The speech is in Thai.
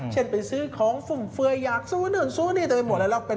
เช่นไปซื้อของฝึ่มฟลือยอยากสูบซูบนี่แต่ไม่มีหมดอะไร